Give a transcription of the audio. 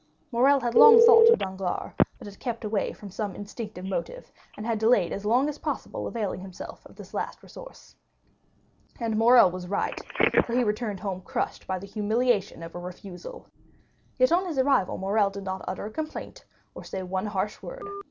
Morrel had long thought of Danglars, but had kept away from some instinctive motive, and had delayed as long as possible availing himself of this last resource. And Morrel was right, for he returned home crushed by the humiliation of a refusal. Yet, on his arrival, Morrel did not utter a complaint, or say one harsh word.